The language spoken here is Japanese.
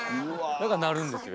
だから鳴るんですよ